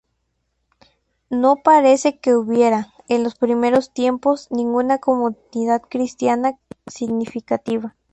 No parece que hubiera, en los primeros tiempos, ninguna comunidad cristiana significativa.